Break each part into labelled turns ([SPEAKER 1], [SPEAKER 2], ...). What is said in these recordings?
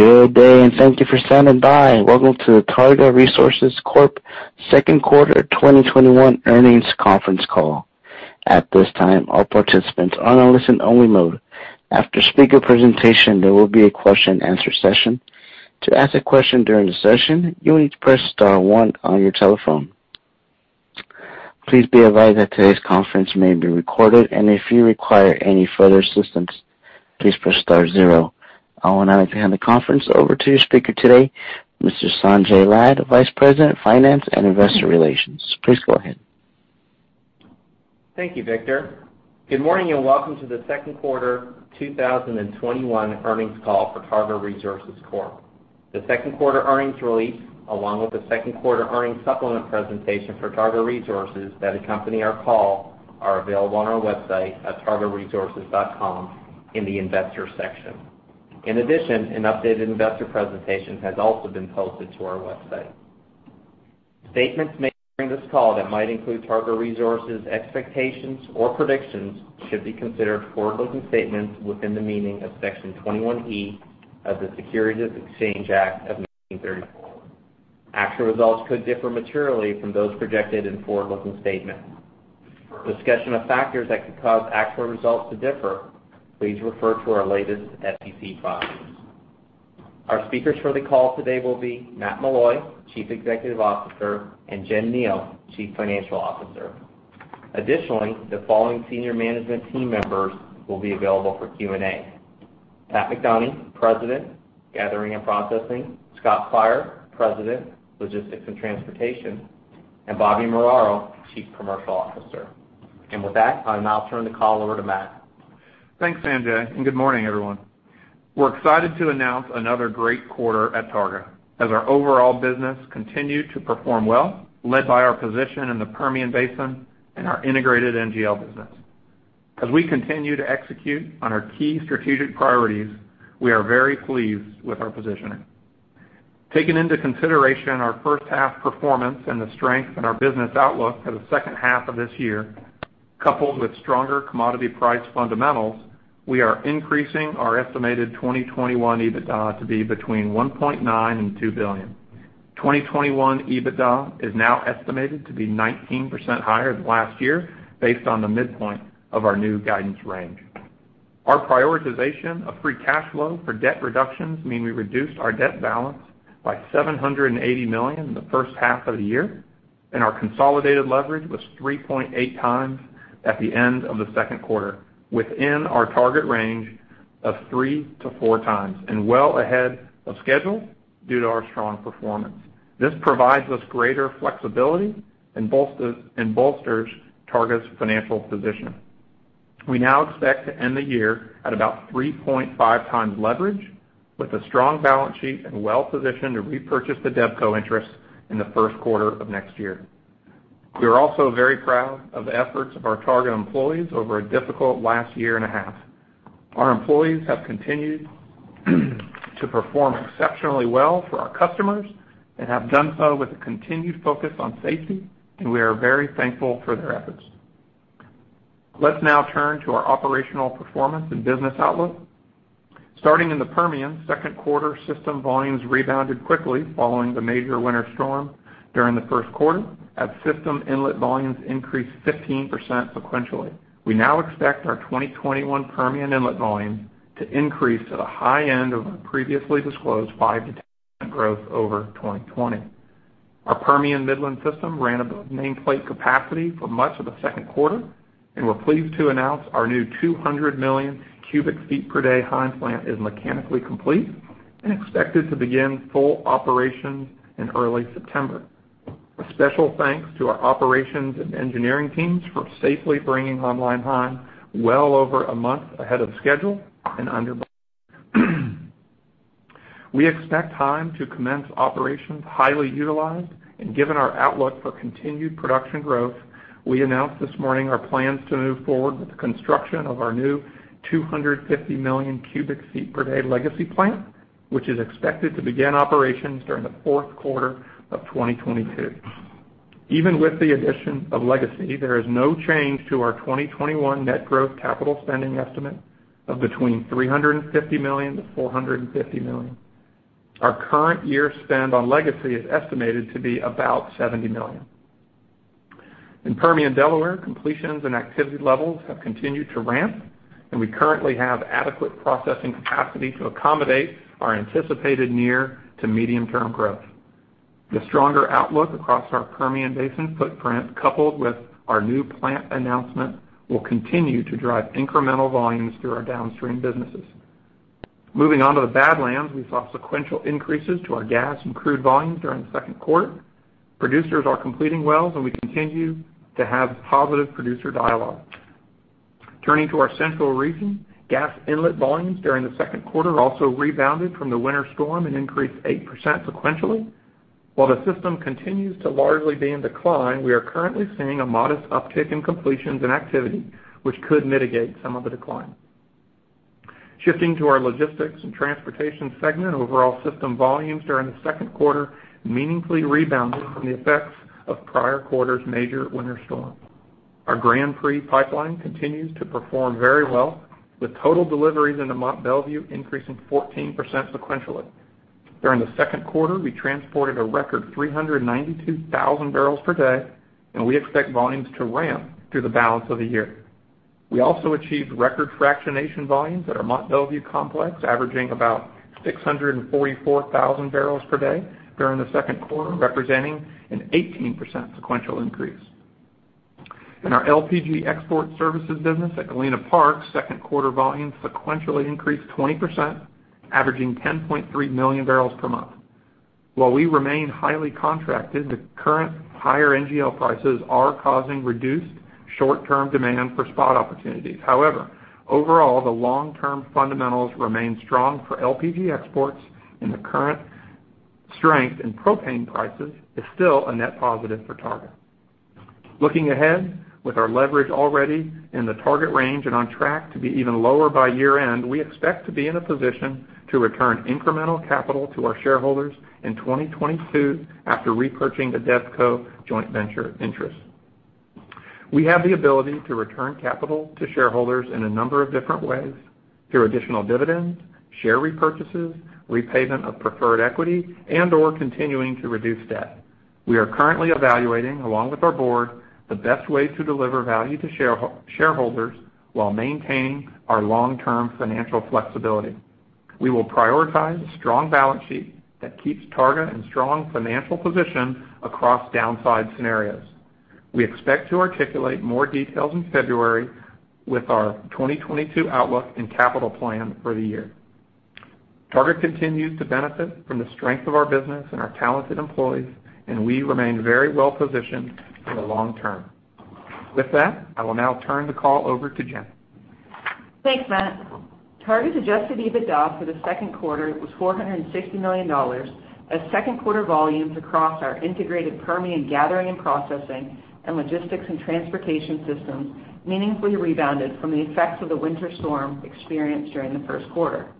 [SPEAKER 1] Good day and thank you for standing by. Welcome to the Targa Resources Corp. Q2 2021 earnings conference call. At this time all participants are in listen-and-only mode. After speaker's presentation there will be a question-and-answer session. To ask a question you'll need to press star one on your telephone. Please be advised that this conference call is being recorded and if you require any assistance, please press star zero. I will now hand the conference over to your speaker today, Mr. Sanjay Lad, Vice President of Finance and Investor Relations. Please go ahead.
[SPEAKER 2] Thank you, Victor. Good morning, and welcome to the Q2 2021 earnings call for Targa Resources Corp. The Q2 earnings release, along with the Q2 earnings supplement presentation for Targa Resources that accompany our call, are available on our website at targaresources.com in the Investors section. In addition, an updated investor presentation has also been posted to our website. Statements made during this call that might include Targa Resources expectations or predictions should be considered forward-looking statements within the meaning of Section 21E of the Securities Exchange Act of 1934. Actual results could differ materially from those projected in forward-looking statements. For a discussion of factors that could cause actual results to differ, please refer to our latest SEC filings. Our speakers for the call today will be Matt Meloy, Chief Executive Officer, and Jen Kneale, Chief Financial Officer. Additionally, the following senior management team members will be available for Q&A: Patrick J. McDonie, President, Gathering and Processing, D. Scott Pryor, President, Logistics and Transportation, and Robert M. Muraro, Chief Commercial Officer. With that, I'll now turn the call over to Matt Meloy.
[SPEAKER 3] Thanks, Sanjay. Good morning, everyone. We're excited to announce another great quarter at Targa, as our overall business continued to perform well, led by our position in the Permian Basin and our integrated NGL business. As we continue to execute on our key strategic priorities, we are very pleased with our positioning. Taking into consideration our H1 performance and the strength in our business outlook for the H2 of this year, coupled with stronger commodity price fundamentals, we are increasing our estimated 2021 EBITDA to be between $1.9 billion and $2 billion. 2021 EBITDA is now estimated to be 19% higher than last year based on the midpoint of our new guidance range. Our prioritization of free cash flow for debt reductions mean we reduced our debt balance by $780 million in the H1 of the year, and our consolidated leverage was 3.8 times at the end of the Q2, within our target range of three to four times, and well ahead of schedule due to our strong performance. This provides us greater flexibility and bolsters Targa's financial position. We now expect to end the year at about 3.5 times leverage with a strong balance sheet and well-positioned to repurchase the DevCo interest in the Q1 of next year. We are also very proud of the efforts of our Targa employees over a difficult last year and a half. Our employees have continued to perform exceptionally well for our customers and have done so with a continued focus on safety, and we are very thankful for their efforts. Let's now turn to our operational performance and business outlook. Starting in the Permian, Q2 system volumes rebounded quickly following the major winter storm during the Q1 as system inlet volumes increased 15% sequentially. We now expect our 2021 Permian inlet volumes to increase at a high end of our previously disclosed 5%-10% growth over 2020. Our Permian Midland system ran above nameplate capacity for much of the Q2, and we're pleased to announce our new 200 million cubic feet per day Heim plant is mechanically complete and expected to begin full operations in early September. A special thanks to our operations and engineering teams for safely bringing online Heim well over a month ahead of schedule and under budget. We expect Heim to commence operations highly utilized, and given our outlook for continued production growth, we announced this morning our plans to move forward with the construction of our new 250 million cubic feet per day Legacy plant, which is expected to begin operations during the Q4 of 2022. Even with the addition of Legacy, there is no change to our 2021 net growth capital spending estimate of between $350-$450 million. Our current year spend on Legacy is estimated to be about $70 million. In Permian Delaware, completions and activity levels have continued to ramp, and we currently have adequate processing capacity to accommodate our anticipated near to medium-term growth. The stronger outlook across our Permian Basin footprint, coupled with our new plant announcement, will continue to drive incremental volumes through our downstream businesses. Moving on to the Badlands, we saw sequential increases to our gas and crude volumes during the Q2. Producers are completing wells, and we continue to have positive producer dialogue. Turning to our central region, gas inlet volumes during the Q2 also rebounded from the Winter Storm and increased 8% sequentially. While the system continues to largely be in decline, we are currently seeing a modest uptick in completions and activity, which could mitigate some of the decline. Shifting to our Logistics and Transportation segment, overall system volumes during the Q2 meaningfully rebounded from the effects of prior quarter's major Winter Storm. Our Grand Prix pipeline continues to perform very well, with total deliveries into Mont Belvieu increasing 14% sequentially. During the Q2, we transported a record 392,000 barrels per day, and we expect volumes to ramp through the balance of the year. We also achieved record fractionation volumes at our Mont Belvieu complex, averaging about 644,000 barrels per day during the Q2, representing an 18% sequential increase. In our LPG export services business at Galena Park, Q2 volumes sequentially increased 20%, averaging 10.3 million barrels per month. While we remain highly contracted, the current higher NGL prices are causing reduced short-term demand for spot opportunities. However, overall, the long-term fundamentals remain strong for LPG exports, and the current strength in propane prices is still a net positive for Targa. Looking ahead, with our leverage already in the target range and on track to be even lower by year-end, we expect to be in a position to return incremental capital to our shareholders in 2022 after repurchasing the DevCo joint venture interest. We have the ability to return capital to shareholders in a number of different ways: through additional dividends, share repurchases, repayment of preferred equity, and/or continuing to reduce debt. We are currently evaluating, along with our board, the best way to deliver value to shareholders while maintaining our long-term financial flexibility. We will prioritize a strong balance sheet that keeps Targa in a strong financial position across downside scenarios. We expect to articulate more details in February with our 2022 outlook and capital plan for the year. Targa continues to benefit from the strength of our business and our talented employees, and we remain very well-positioned for the long term. With that, I will now turn the call over to Jen.
[SPEAKER 4] Thanks, Matt. Targa's adjusted EBITDA for the Q2 was $460 million, as second-quarter volumes across our integrated Permian gathering and processing and logistics and transportation systems meaningfully rebounded from the effects of the winter storm experienced during the Q1.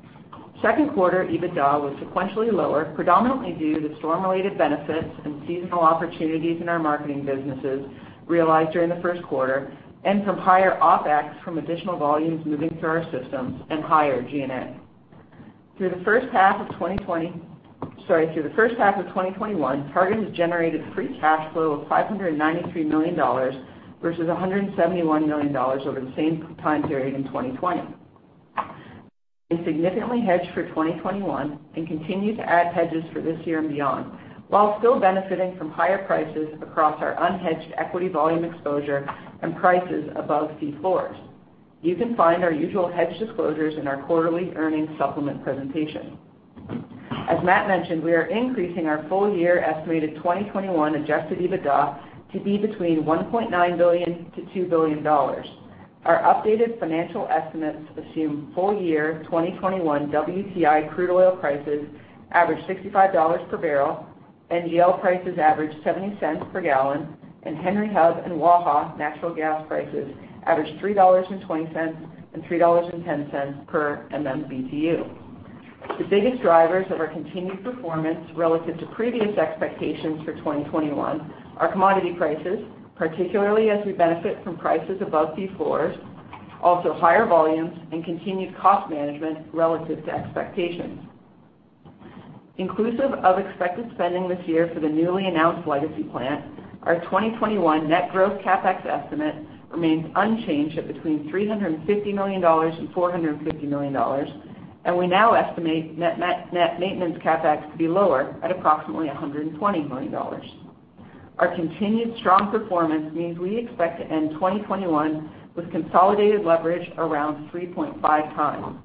[SPEAKER 4] Q2 EBITDA was sequentially lower, predominantly due to storm-related benefits and seasonal opportunities in our marketing businesses realized during the Q1, and from higher OpEx from additional volumes moving through our systems and higher G&A. Through the H1 of 2021, Targa has generated free cash flow of $593 million versus $171 million over the same time period in 2020. We significantly hedged for 2021 and continue to add hedges for this year and beyond while still benefiting from higher prices across our unhedged equity volume exposure and prices above fee floors. You can find our usual hedge disclosures in our quarterly earnings supplement presentation. As Matt mentioned, we are increasing our full-year estimated 2021 adjusted EBITDA to be between $1.9-$2 billion. Our updated financial estimates assume full-year 2021 WTI crude oil prices average $65 per barrel, NGL prices average $0.70 per gallon, and Henry Hub and Waha natural gas prices average $3.20 and $3.10 per MMBtu. The biggest drivers of our continued performance relative to previous expectations for 2021 are commodity prices, particularly as we benefit from prices above fee floors, also higher volumes, and continued cost management relative to expectations. Inclusive of expected spending this year for the newly announced Legacy plant, our 2021 net growth CapEx estimate remains unchanged at between $350 million and $450 million, and we now estimate net maintenance CapEx to be lower at approximately $120 million. Our continued strong performance means we expect to end 2021 with consolidated leverage around 3.5 times.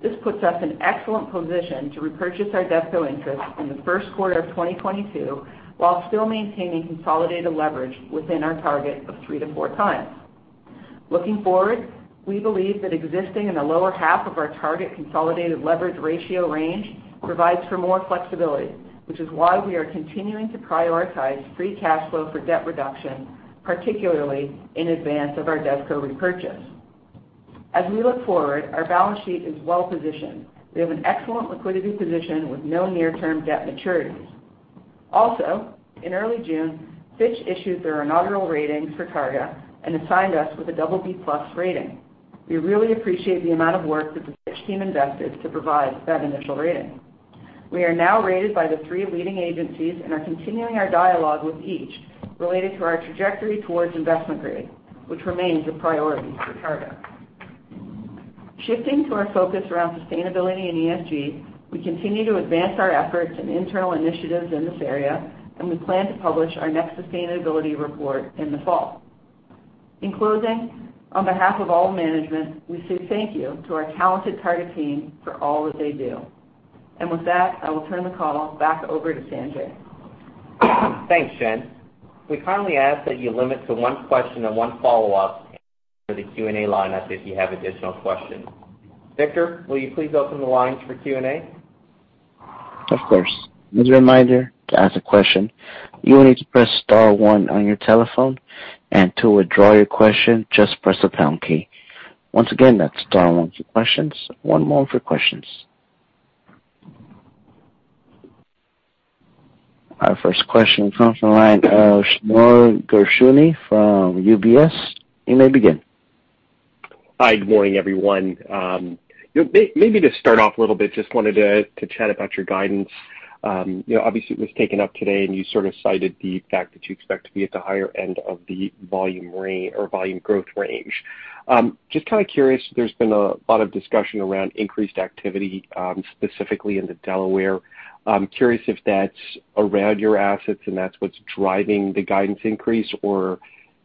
[SPEAKER 4] This puts us in an excellent position to repurchase our DevCo interest in the Q1 of 2022 while still maintaining consolidated leverage within our target of three to four times. Looking forward, we believe that existing in the lower half of our target consolidated leverage ratio range provides for more flexibility, which is why we are continuing to prioritize free cash flow for debt reduction, particularly in advance of our DevCo repurchase. As we look forward, our balance sheet is well-positioned. We have an excellent liquidity position with no near-term debt maturities. Also, in early June, Fitch issued their inaugural ratings for Targa and assigned us with a BB+ rating. We really appreciate the amount of work that the Fitch team invested to provide that initial rating. We are now rated by the three leading agencies and are continuing our dialogue with each related to our trajectory towards investment grade, which remains a priority for Targa. Shifting to our focus around sustainability and ESG, we continue to advance our efforts and internal initiatives in this area. We plan to publish our next sustainability report in the fall. In closing, on behalf of all management, we say thank you to our talented Targa team for all that they do. With that, I will turn the call back over to Sanjay.
[SPEAKER 2] Thanks, Jen. We kindly ask that you limit to one question and one follow-up for the Q&A lineup if you have additional questions. Victor, will you please open the lines for Q&A?
[SPEAKER 1] Of course. As a reminder, to ask a question, you will need to press star one on your telephone, and to withdraw your question, just press the pound key. Once again, that's star one for questions. Our first question comes from the line of Shneur Gershuni from UBS. You may begin.
[SPEAKER 5] Hi. Good morning, everyone. Maybe to start off a little bit, just wanted to chat about your guidance. Obviously, it was taken up today and you cited the fact that you expect to be at the higher end of the volume growth range. Just kind of curious, there's been a lot of discussion around increased activity, specifically in the Delaware. I'm curious if that's around your assets and that's what's driving the guidance increase, or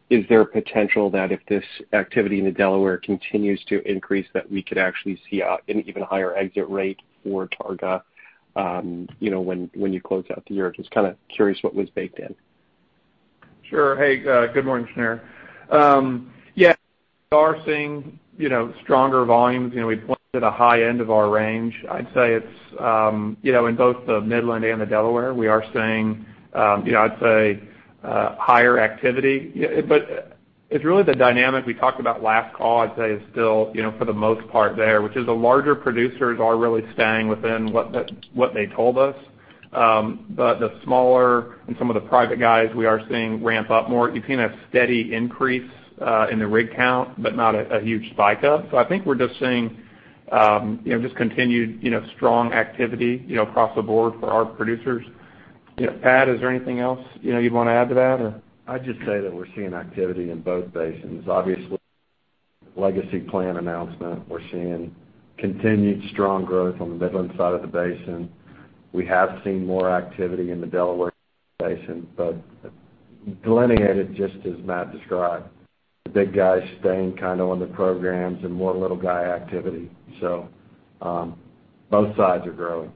[SPEAKER 5] is there a potential that if this activity in the Delaware continues to increase, that we could actually see an even higher exit rate for Targa when you close out the year? Just kind of curious what was baked in.
[SPEAKER 3] Sure. Hey, good morning, Shneur. We are seeing stronger volumes. We pointed at a high end of our range. I'd say it's in both the Midland and the Delaware. We are seeing, I'd say, higher activity. It's really the dynamic we talked about last call, I'd say, is still for the most part there, which is the larger producers are really staying within what they told us. The smaller and some of the private guys, we are seeing ramp up more. You're seeing a steady increase in the rig count, but not a huge spike up. I think we're just seeing continued strong activity across the board for our producers. Pat, is there anything else you'd want to add to that?
[SPEAKER 6] I'd just say that we're seeing activity in both basins. Obviously, Legacy plant announcement. We're seeing continued strong growth on the Midland side of the basin. We have seen more activity in the Delaware Basin, but delineating it just as Matt described, the big guys staying kind of on the programs and more little guy activity. Both sides are growing.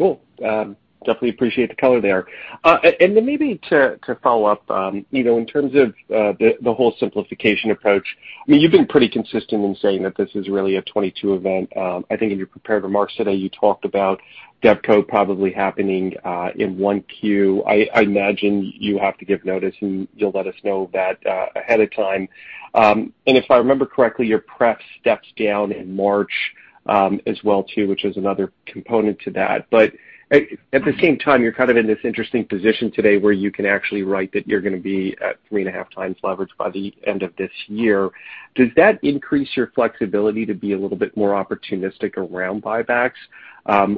[SPEAKER 5] Cool. Definitely appreciate the color there. Maybe to follow up, in terms of the whole simplification approach, you've been pretty consistent in saying that this is really a 2022 event. I think in your prepared remarks today, you talked about DevCo probably happening in Q1. I imagine you have to give notice, and you'll let us know that ahead of time. If I remember correctly, your Pref steps down in March as well too, which is another component to that. At the same time, you're kind of in this interesting position today where you can actually write that you're going to be at 3.5x leverage by the end of this year. Does that increase your flexibility to be a little bit more opportunistic around buybacks?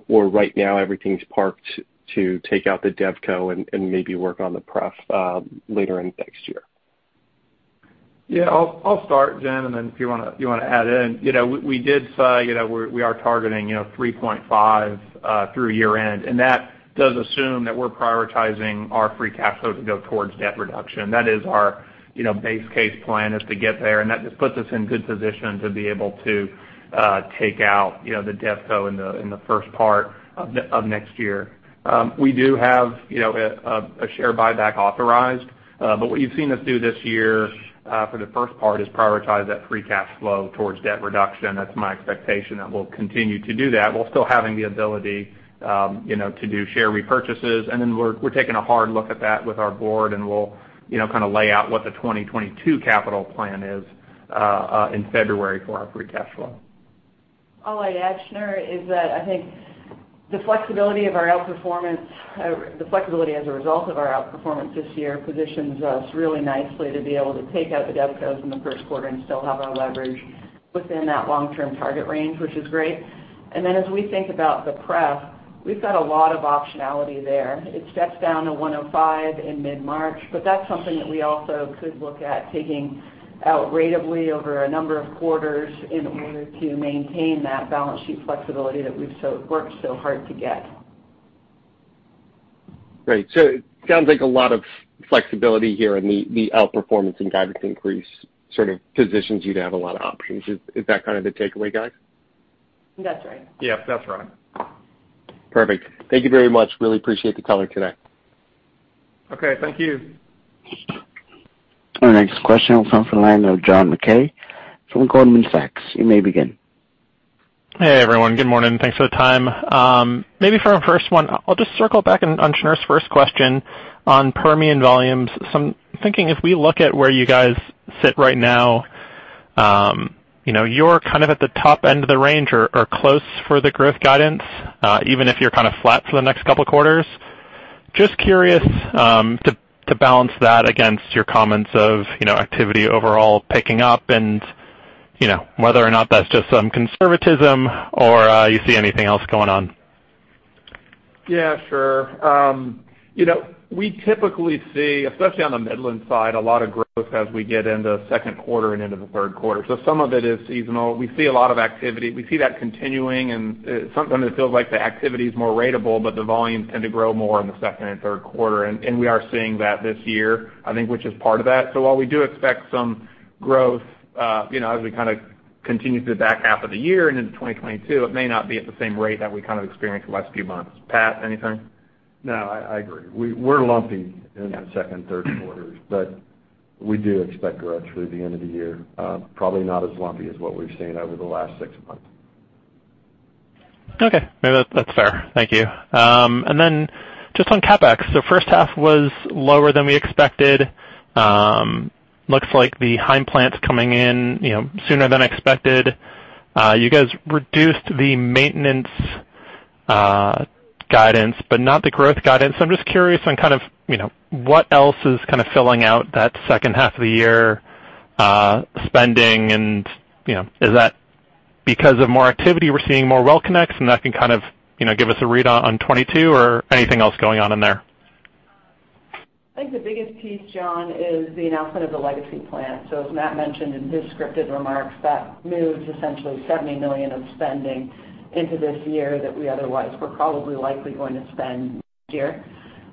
[SPEAKER 5] Right now, everything's parked to take out the DevCo and maybe work on the Pref later in next year?
[SPEAKER 3] Yeah, I'll start, Jen, and then if you want to add in. We did say we are targeting 3.5 through year-end, and that does assume that we're prioritizing our free cash flow to go towards debt reduction. That is our base case plan is to get there, and that just puts us in good position to be able to take out the DevCo in the first part of next year. We do have a share buyback authorized. What you've seen us do this year for the first part is prioritize that free cash flow towards debt reduction. That's my expectation that we'll continue to do that while still having the ability to do share repurchases. We're taking a hard look at that with our board, and we'll lay out what the 2022 capital plan is in February for our free cash flow.
[SPEAKER 4] All I'd add, Shneur, is that I think the flexibility as a result of our outperformance this year positions us really nicely to be able to take out the DevCos in the Q1 and still have our leverage within that long-term target range, which is great. As we think about the Pref, we've got a lot of optionality there. It steps down to $105 in mid-March, but that's something that we also could look at taking out ratably over a number of quarters in order to maintain that balance sheet flexibility that we've worked so hard to get.
[SPEAKER 5] Great. It sounds like a lot of flexibility here in the outperformance and guidance increase sort of positions you to have a lot of options. Is that kind of the takeaway, guys?
[SPEAKER 4] That's right.
[SPEAKER 3] Yep, that's right.
[SPEAKER 5] Perfect. Thank you very much. Really appreciate the color today.
[SPEAKER 3] Okay, thank you.
[SPEAKER 1] Our next question comes from the line of John Mackay from Goldman Sachs. You may begin.
[SPEAKER 7] Hey, everyone. Good morning. Thanks for the time. Maybe for our first one, I'll just circle back on Shneur's first question on Permian volumes. I'm thinking if we look at where you guys sit right now, you're kind of at the top end of the range or close for the growth guidance, even if you're kind of flat for the next couple of quarters. Just curious to balance that against your comments of activity overall picking up and whether or not that's just some conservatism or you see anything else going on.
[SPEAKER 3] Sure. We typically see, especially on the Midland side, a lot of growth as we get into Q2 and into the Q3. Some of it is seasonal. We see a lot of activity. We see that continuing and sometimes it feels like the activity is more ratable, but the volumes tend to grow more in the Q2 and Q3. We are seeing that this year, I think, which is part of that. While we do expect some growth as we kind of continue through the back half of the year and into 2022, it may not be at the same rate that we kind of experienced the last few months. Pat, anything?
[SPEAKER 6] No, I agree. We're lumpy in the Q2 and Q3, but we do expect growth through the end of the year. Probably not as lumpy as what we've seen over the last six months.
[SPEAKER 7] Okay. That's fair. Thank you. Just on CapEx, H1 was lower than we expected. Looks like the Heim plant's coming in sooner than expected. You guys reduced the maintenance guidance, but not the growth guidance. I'm just curious on what else is filling out that H2 of the year spending, and is that because of more activity, we're seeing more well connects, and that can give us a read in 2022 or anything else going on in there?
[SPEAKER 4] I think the biggest piece, John, is the announcement of the Legacy plant. As Matt mentioned in his scripted remarks, that moves essentially $70 million of spending into this year that we otherwise were probably likely going to spend next year.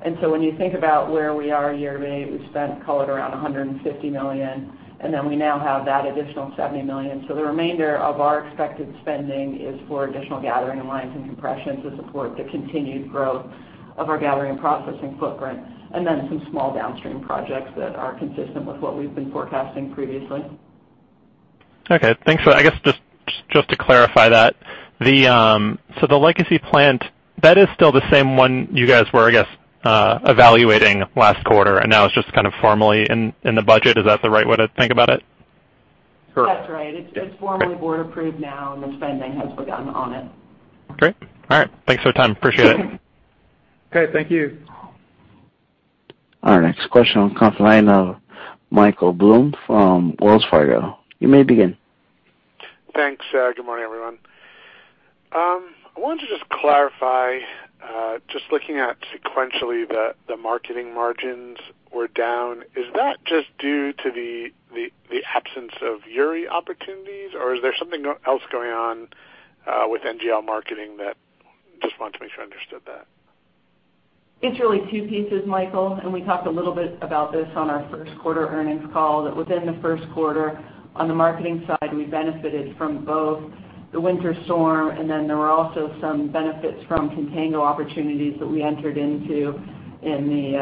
[SPEAKER 4] When you think about where we are year to date, we've spent, call it, around $150 million, and then we now have that additional $70 million. The remainder of our expected spending is for additional gathering lines and compression to support the continued growth of our gathering processing footprint, and then some small downstream projects that are consistent with what we've been forecasting previously.
[SPEAKER 7] Okay. Thanks. I guess just to clarify that. The Legacy plant, that is still the same one you guys were, I guess, evaluating last quarter, and now it's just formally in the budget. Is that the right way to think about it?
[SPEAKER 4] That's right. It's formally board approved now, and the spending has begun on it.
[SPEAKER 7] Okay. All right. Thanks for your time. Appreciate it.
[SPEAKER 3] Okay. Thank you.
[SPEAKER 1] Our next question on the come from the line of Michael Blum from Wells Fargo. You may begin.
[SPEAKER 8] Thanks. Good morning, everyone. I wanted to just clarify, just looking at sequentially the marketing, margins were down. Is that just due to the absence of Uri opportunities, or is there something else going on with NGL Marketing? Just wanted to make sure I understood that.
[SPEAKER 4] It's really two pieces, Michael, and we talked a little bit about this on our Q1 earnings call. That within the Q1, on the marketing side, we benefited from both the winter storm, and then there were also some benefits from contango opportunities that we entered into early in the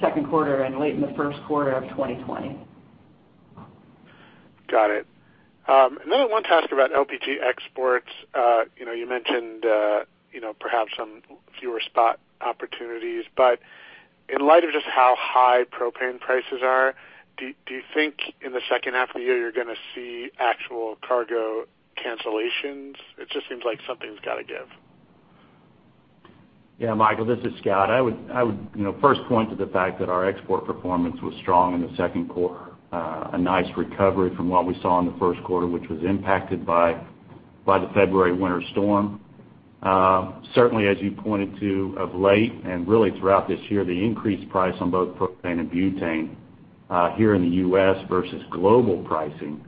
[SPEAKER 4] Q2 and late in the Q1 of 2020.
[SPEAKER 8] Got it. I wanted to ask about LPG exports. You mentioned perhaps some fewer spot opportunities. In light of just how high propane prices are, do you think in the H2 of the year you're going to see actual cargo cancellations? It just seems like something's got to give.
[SPEAKER 9] Yeah, Michael, this is Scott. I would first point to the fact that our export performance was strong in the Q2. A nice recovery from what we saw in the Q1, which was impacted by the February winter storm. Certainly, as you pointed to of late and really throughout this year, the increased price on both propane and butane here in the U.S. versus global pricing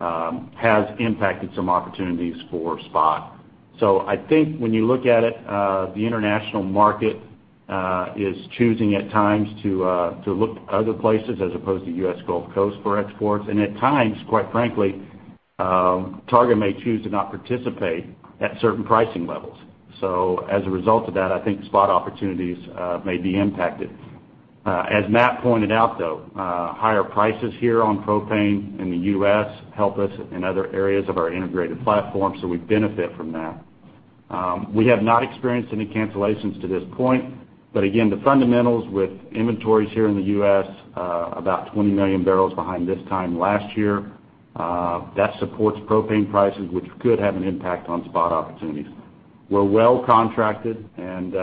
[SPEAKER 9] has impacted some opportunities for spot. I think when you look at it, the international market is choosing at times to look other places as opposed to U.S. Gulf Coast for exports. At times, quite frankly, Targa may choose to not participate at certain pricing levels. As a result of that, I think spot opportunities may be impacted. As Matt Meloy pointed out, though, higher prices here on propane in the U.S. help us in other areas of our integrated platform. We benefit from that. We have not experienced any cancellations to this point, again, the fundamentals with inventories here in the U.S. are about 20 million barrels behind this time last year. That supports propane prices, which could have an impact on spot opportunities. We're well contracted, and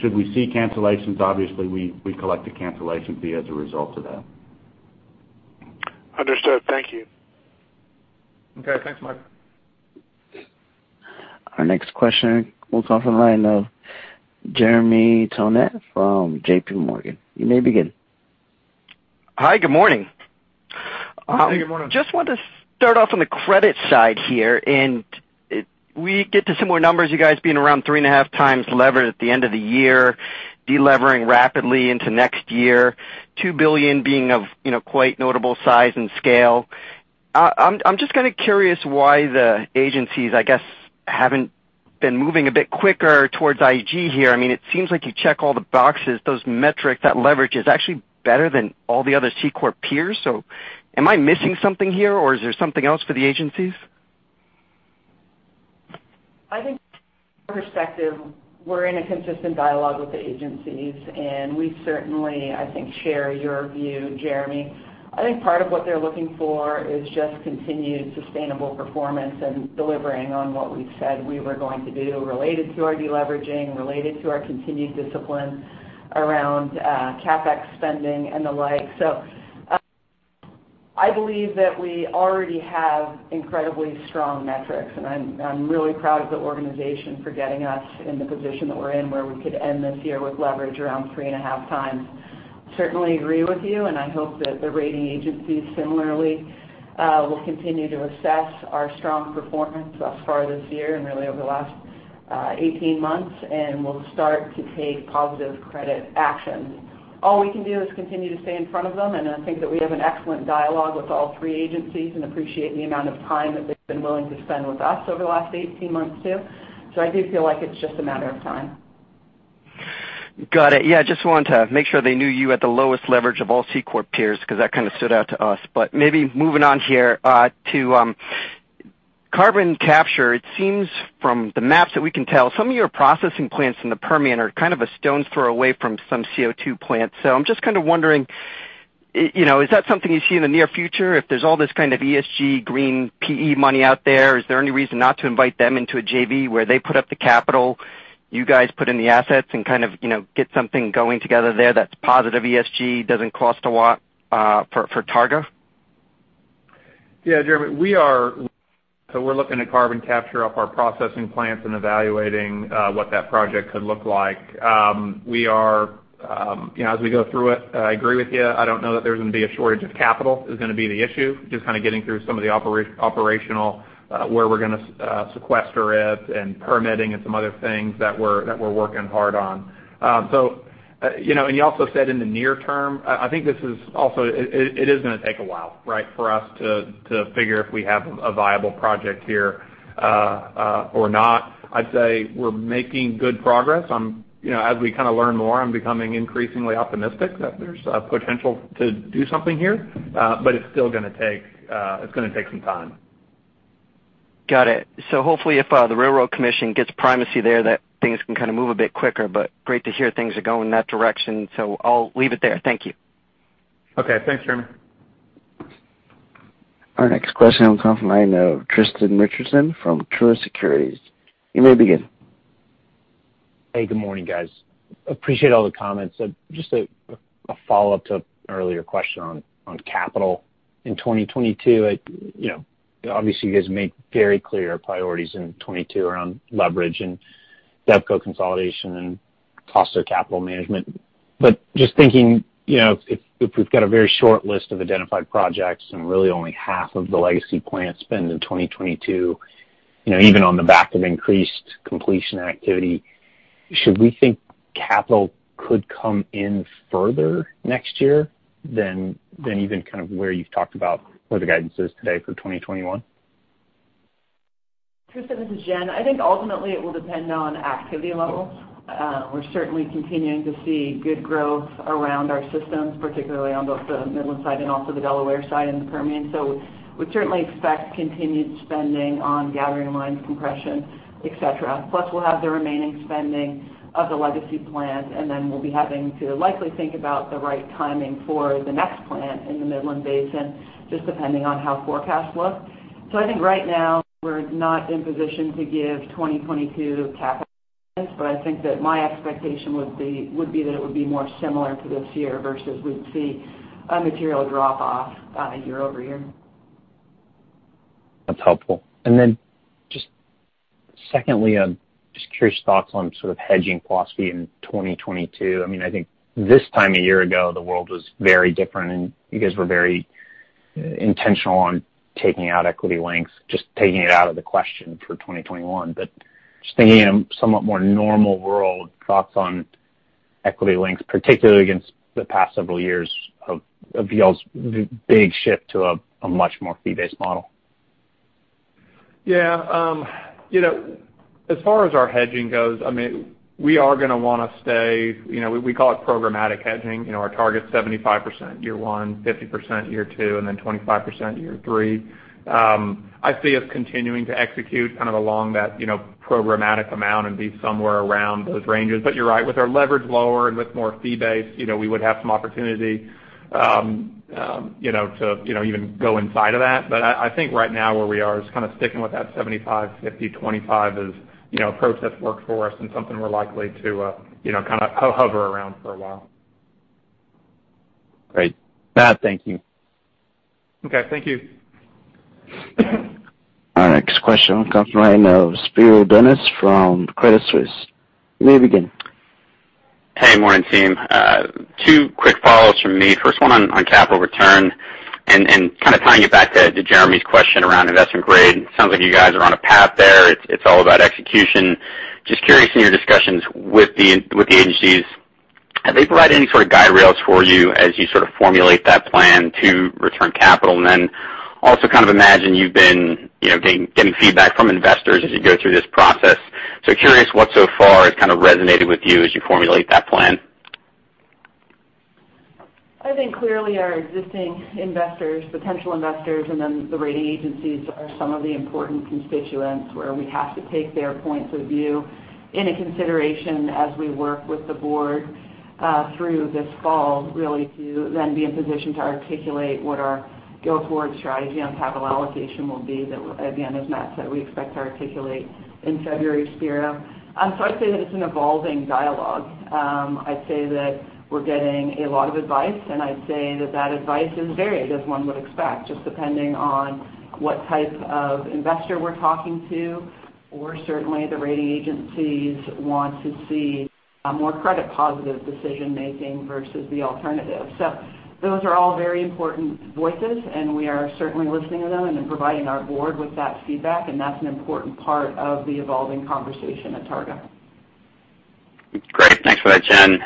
[SPEAKER 9] should we see cancellations, obviously, we collect a cancellation fee as a result of that.
[SPEAKER 8] Understood. Thank you.
[SPEAKER 9] Okay. Thanks, Michael.
[SPEAKER 1] Our next question comes from the line of Jeremy Tonet from J.P. Morgan. You may begin.
[SPEAKER 10] Hi, good morning.
[SPEAKER 3] Hey, good morning.
[SPEAKER 10] Just wanted to start off on the credit side here, and we get to similar numbers, you guys being around three and a half times levered at the end of the year, de-levering rapidly into next year, $2 billion being of quite notable size and scale. I'm just curious why the agencies, I guess, haven't been moving a bit quicker towards IG here. It seems like you check all the boxes, those metrics, that leverage is actually better than all the other C Corp peers. Am I missing something here, or is there something else for the agencies?
[SPEAKER 4] I think from our perspective, we're in a consistent dialogue with the agencies, and we certainly, I think, share your view, Jeremy. I think part of what they're looking for is just continued sustainable performance and delivering on what we've said we were going to do related to our de-leveraging, related to our continued discipline around CapEx spending and the like. I believe that we already have incredibly strong metrics, and I'm really proud of the organization for getting us in the position that we're in, where we could end this year with leverage around three and a half times. Certainly, agree with you, and I hope that the rating agencies similarly will continue to assess our strong performance thus far this year and really over the last 18 months and will start to take positive credit action. All we can do is continue to stay in front of them, and I think that we have an excellent dialogue with all three agencies and appreciate the amount of time that they've been willing to spend with us over the last 18 months, too. I do feel like it's just a matter of time.
[SPEAKER 10] Got it. Yeah, just wanted to make sure they knew you had the lowest leverage of all C Corp peers because that stood out to us. Maybe moving on here to carbon capture, it seems from the maps that we can tell, some of your processing plants in the Permian are a stone's throw away from some CO2 plants. I'm just wondering, is that something you see in the near future? If there's all this kind of ESG green PE money out there, is there any reason not to invite them into a JV where they put up the capital, you guys put in the assets, and get something going together there that's positive ESG, doesn't cost a lot, for Targa?
[SPEAKER 3] Jeremy, we're looking at carbon capture up our processing plants and evaluating what that project could look like. As we go through it, I agree with you, I don't know that there's going to be a shortage of capital, is going to be the issue. Just getting through some of the operational, where we're going to sequester it and permitting and some other things that we're working hard on. You also said in the near term. I think this is also, it is going to take a while, right, for us to figure if we have a viable project here or not. I'd say we're making good progress. As we learn more, I'm becoming increasingly optimistic that there's potential to do something here. It's still going to take some time.
[SPEAKER 10] Got it. Hopefully if the Railroad Commission gets primacy there, that things can move a bit quicker. Great to hear things are going in that direction. I'll leave it there. Thank you.
[SPEAKER 3] Okay. Thanks, Jeremy.
[SPEAKER 1] Our next question comes from the line of Tristan Richardson from Truist Securities. You may begin.
[SPEAKER 11] Hey, good morning, guys. Appreciate all the comments. Just a follow-up to an earlier question on capital. In 2022, obviously you guys made very clear priorities in 2022 around leverage and DevCo consolidation and cost of capital management. Just thinking, if we've got a very short list of identified projects and really only half of the Legacy plant spend in 2022, even on the back of increased completion activity, should we think capital could come in further next year than even where you've talked about where the guidance is today for 2021?
[SPEAKER 4] Tristan, this is Jen. I think ultimately it will depend on activity levels. We're certainly continuing to see good growth around our systems, particularly on both the Midland side and also the Delaware side and the Permian. We certainly expect continued spending on gathering lines, compression, et cetera. Plus, we'll have the remaining spending of the Legacy plant, and then we'll be having to likely think about the right timing for the next plant in the Midland Basin, just depending on how forecasts look. I think right now we're not in position to give 2022 capital guidance, but I think that my expectation would be that it would be more similar to this year versus we'd see a material drop off year-over-year.
[SPEAKER 11] That's helpful. Then just secondly, just curious thoughts on hedging philosophy in 2022. I think this time a year ago, the world was very different, and you guys were very intentional on taking out equity links, just taking it out of the question for 2021. Just thinking in a somewhat more normal world, thoughts on equity links, particularly against the past several years of TRC's big shift to a much more fee-based model.
[SPEAKER 3] Yeah. As far as our hedging goes, we are going to want to stay, we call it programmatic hedging. Our target's 75% year one, 50% year two, and then 25% year three. I see us continuing to execute along that programmatic amount and be somewhere around those ranges. You're right, with our leverage lower and with more fee-based, we would have some opportunity to even go inside of that. I think right now where we are is just sticking with that 75/50/25 as approach that's worked for us and something we're likely to hover around for a while.
[SPEAKER 11] Great. Matt, thank you.
[SPEAKER 3] Okay. Thank you.
[SPEAKER 1] Our next question comes from the line of Spiro Dounis from Credit Suisse. You may begin.
[SPEAKER 12] Hey, morning team. Two quick follows from me. First one on capital return and tying it back to Jeremy's question around investment grade. Sounds like you guys are on a path there. It's all about execution. Just curious in your discussions with the agencies, have they provided any sort of guiderails for you as you formulate that plan to return capital? Then also imagine you've been getting feedback from investors as you go through this process. Curious what so far has resonated with you as you formulate that plan.
[SPEAKER 4] I think clearly our existing investors, potential investors, and then the rating agencies are some of the important constituents where we have to take their points of view into consideration as we work with the board through this fall, really to then be in position to articulate what our go forward strategy on capital allocation will be that, again, as Matt said, we expect to articulate in February, Spiro. I'd say that it's an evolving dialogue. I'd say that we're getting a lot of advice, and I'd say that that advice is varied as one would expect, just depending on what type of investor we're talking to or certainly the rating agencies want to see a more credit positive decision making versus the alternative. Those are all very important voices, and we are certainly listening to them and then providing our board with that feedback, and that's an important part of the evolving conversation at Targa.
[SPEAKER 12] Great. Thanks for that, Jen.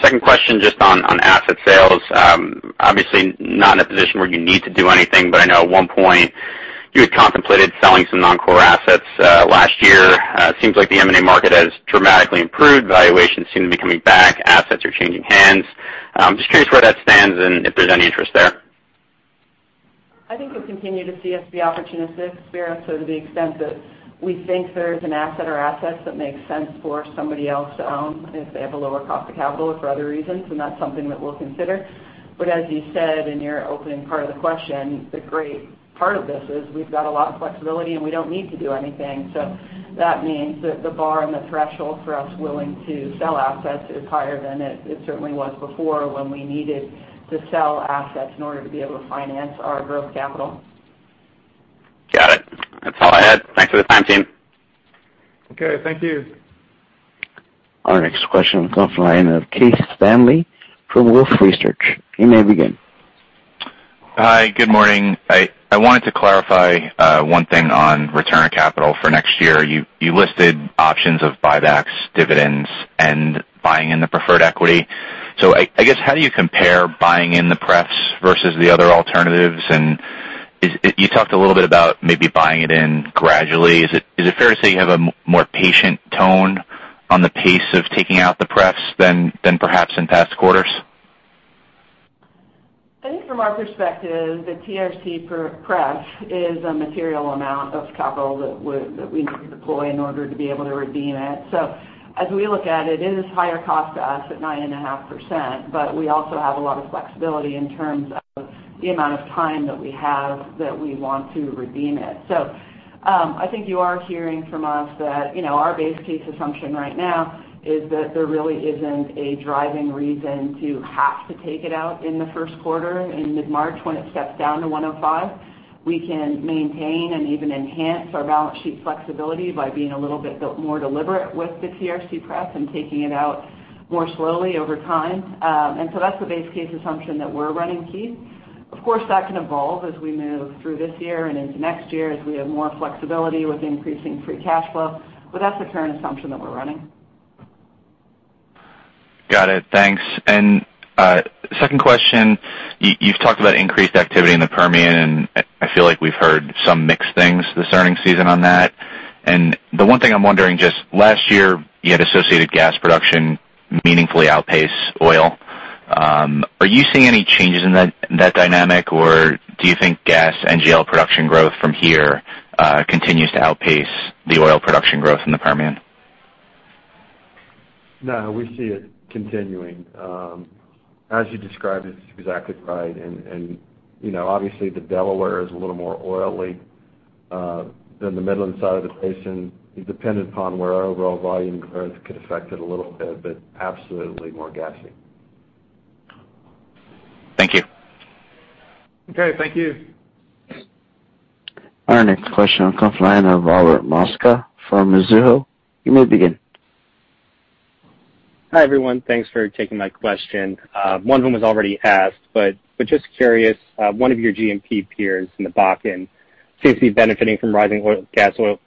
[SPEAKER 12] Second question, just on asset sales. Obviously not in a position where you need to do anything, but I know at one point you had contemplated selling some non-core assets. Last year, it seems like the M&A market has dramatically improved. Valuations seem to be coming back. Assets are changing hands. Just curious where that stands and if there's any interest there?
[SPEAKER 4] I think you'll continue to see us be opportunistic, Spiro, so to the extent that we think there's an asset or assets that make sense for somebody else to own if they have a lower cost of capital or for other reasons, and that's something that we'll consider. As you said in your opening part of the question, the great part of this is we've got a lot of flexibility, and we don't need to do anything. That means that the bar and the threshold for us willing to sell assets is higher than it certainly was before when we needed to sell assets in order to be able to finance our growth capital.
[SPEAKER 12] Got it. That's all I had. Thanks for the time, team.
[SPEAKER 3] Okay, thank you.
[SPEAKER 1] Our next question comes from the line of Keith Stanley from Wolfe Research. You may begin.
[SPEAKER 13] Hi, good morning. I wanted to clarify one thing on return on capital for next year. You listed options of buybacks, dividends, and buying in the preferred equity. I guess, how do you compare buying in the pref versus the other alternatives? You talked a little bit about maybe buying it in gradually. Is it fair to say you have a more patient tone on the pace of taking out the pref than perhaps in past quarters?
[SPEAKER 4] I think from our perspective, the TRC pref is a material amount of capital that we need to deploy in order to be able to redeem it. As we look at it is higher cost to us at 9.5%, but we also have a lot of flexibility in terms of the amount of time that we have that we want to redeem it. I think you are hearing from us that our base case assumption right now is that there really isn't a driving reason to have to take it out in the Q1. In mid-March, when it steps down to 105, we can maintain and even enhance our balance sheet flexibility by being a little bit more deliberate with the TRC pref and taking it out more slowly over time. That's the base case assumption that we're running, Keith. Of course, that can evolve as we move through this year and into next year as we have more flexibility with increasing free cash flow. That's the current assumption that we're running.
[SPEAKER 13] Got it. Thanks. Second question, you've talked about increased activity in the Permian, and I feel like we've heard some mixed things this earning season on that. The one thing I'm wondering, just last year, you had associated gas production meaningfully outpace oil. Are you seeing any changes in that dynamic, or do you think gas NGL production growth from here continues to outpace the oil production growth in the Permian?
[SPEAKER 3] No, we see it continuing. As you described, it's exactly right. Obviously, the Delaware is a little oilier than the Midland side of the basin. It depended upon where our overall volume growth could affect it a little bit, but absolutely gassier.
[SPEAKER 13] Thank you.
[SPEAKER 3] Okay. Thank you.
[SPEAKER 1] Our next question comes line of Robert Mosca from Mizuho. You may begin.
[SPEAKER 14] Hi, everyone. Thanks for taking my question. One of them was already asked. Just curious, one of your G&P peers in the Bakken seems to be benefiting from rising gas oil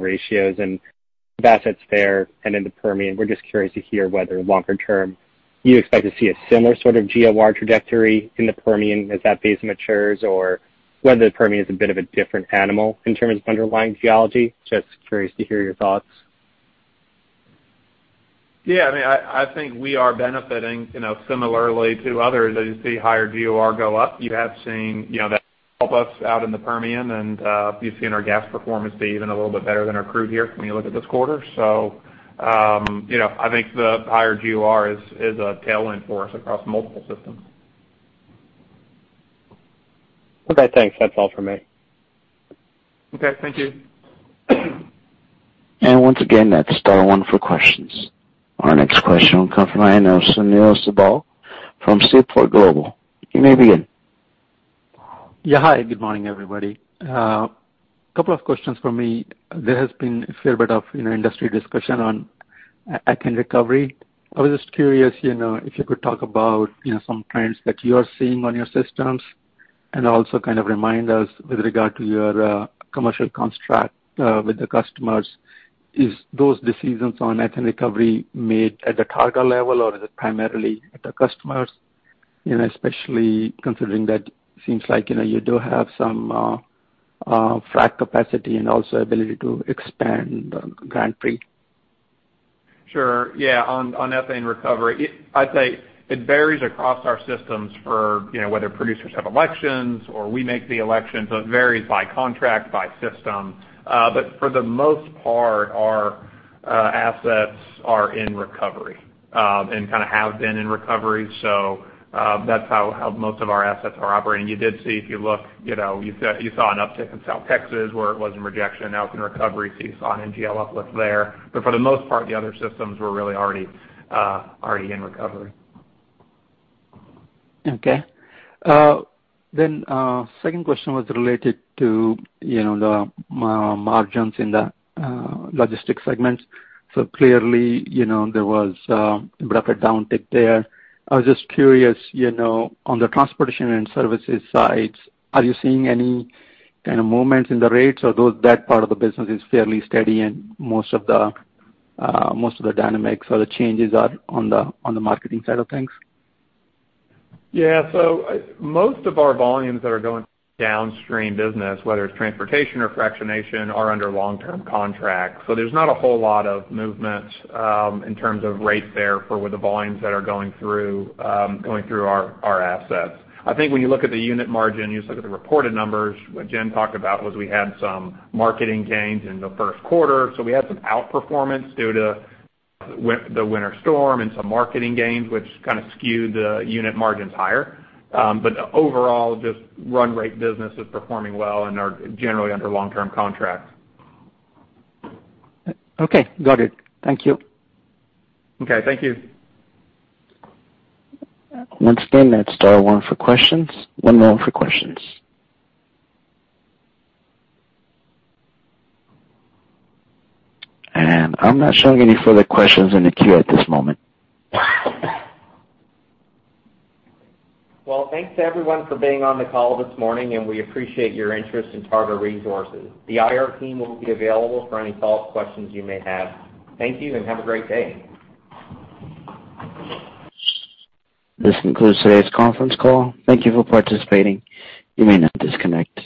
[SPEAKER 14] ratios and the assets there and in the Permian. We're just curious to hear whether longer term you expect to see a similar sort of GOR trajectory in the Permian as that base matures or whether the Permian is a bit of a different animal in terms of underlying geology. Just curious to hear your thoughts.
[SPEAKER 3] Yeah, I think we are benefiting similarly to others as you see higher GOR go up. You have seen that help us out in the Permian, and you've seen our gas performance be even a little bit better than our crude year when you look at this quarter. I think the higher GOR is a tailwind for us across multiple systems.
[SPEAKER 14] Okay, thanks. That's all for me.
[SPEAKER 3] Okay, thank you.
[SPEAKER 1] Once again, that's star one for questions. Our next question will come from the line of Sunil Sibal from Seaport Global. You may begin.
[SPEAKER 15] Yeah, hi, good morning, everybody. A couple of questions from me. There has been a fair bit of industry discussion on ethane recovery. I was just curious if you could talk about some trends that you are seeing on your systems and also kind of remind us with regard to your commercial contract with the customers, is those decisions on ethane recovery made at the Targa level or is it primarily at the customers? Especially considering that it seems like you do have some frac capacity and also ability to expand Grand Prix.
[SPEAKER 3] Sure, yeah. On ethane recovery, I'd say it varies across our systems for whether producers have elections or we make the election. It varies by contract, by system. For the most part, our assets are in recovery and kind of have been in recovery. That's how most of our assets are operating. You did see if you look, you saw an uptick in South Texas where it was in rejection. Now it's in recovery, so you saw an NGL uplift there. For the most part, the other systems were really already in recovery.
[SPEAKER 15] Okay. Second question was related to the margins in the logistics segment. Clearly, there was a bit of a downtick there. I was just curious, on the transportation and services sides, are you seeing any kind of movement in the rates, or that part of the business is fairly steady and most of the dynamics or the changes are on the marketing side of things?
[SPEAKER 3] Yeah. Most of our volumes that are going downstream business, whether it's transportation or fractionation, are under long-term contracts. There's not a whole lot of movement in terms of rates there for the volumes that are going through our assets. I think when you look at the unit margin, you just look at the reported numbers. What Jen talked about was we had some marketing gains in the Q1, so we had some outperformance due to the Winter Storm Uri and some marketing gains, which kind of skewed the unit margins higher. Overall, just run rate business is performing well and are generally under long-term contracts.
[SPEAKER 15] Okay, got it. Thank you.
[SPEAKER 3] Okay, thank you.
[SPEAKER 1] Once again, that's star one for questions. One moment for questions. I'm not showing any further questions in the queue at this moment.
[SPEAKER 3] Well, thanks everyone for being on the call this morning, and we appreciate your interest in Targa Resources. The IR team will be available for any follow-up questions you may have. Thank you and have a great day.
[SPEAKER 1] This concludes today's conference call. Thank you for participating. You may now disconnect.